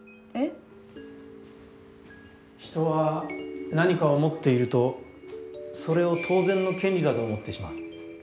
人は何かを持っているとそれを当然の権利だと思ってしまう。